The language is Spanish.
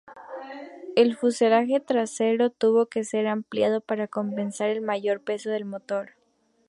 El fuselaje trasero tuvo que ser ampliado para compensar el mayor peso del motor.